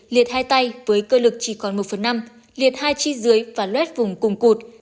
liệt hai tay với cơ lực chỉ còn một phần năm liệt hai chi dưới và luét vùng cùng cột